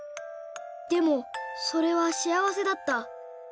でもそれはしあわせだった。